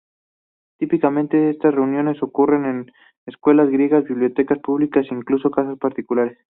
Típicamente, estas reuniones ocurren en escuelas, iglesias, bibliotecas públicas e incluso casas particulares.